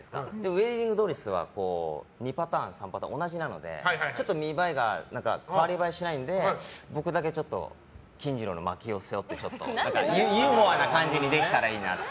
ウェディングドレスは２パターン３パターン同じなのでちょっと見栄えが代わり映えしないので僕だけ金次郎のまきを背負ってユーモアな感じにできたらいいなと。